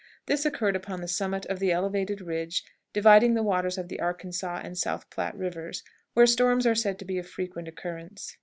This occurred upon the summit of the elevated ridge dividing the waters of the Arkansas and South Platte Rivers, where storms are said to be of frequent occurrence.